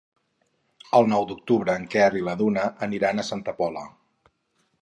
El nou d'octubre en Quer i na Duna aniran a Santa Pola.